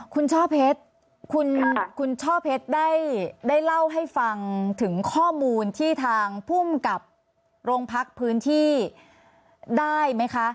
คุณช่อเพชรได้เล่าให้ฟังถึงข้อมูลที่ทางผู้กำกับโรงพักพื้นที่ได้ไหมคะ